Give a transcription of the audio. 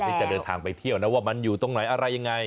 ที่จะเดินทางไปเที่ยวนะว่ามันอยู่ตรงไหนอะไรยังไง